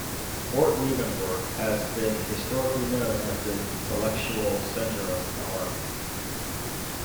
Fort Leavenworth has been historically known as the Intellectual Center of the Army.